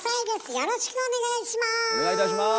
よろしくお願いします。